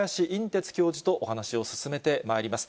てつ教授とお話を進めてまいります。